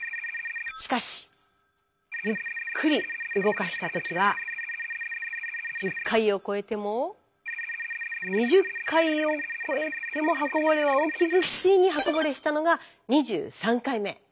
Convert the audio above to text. しかしゆっくり動かした時は１０回を超えても２０回を超えても刃こぼれは起きずついに刃こぼれしたのが２３回目。